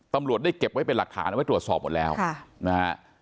ตำรวจได้เก็บไว้เป็นหลักฐานเอาไว้ตรวจสอบหมดแล้วนะฮะ